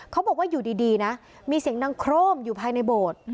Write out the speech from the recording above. เขาบอกว่าอยู่ดีนะมีเสียงดังโคร่มอยู่ภายในโบสถ์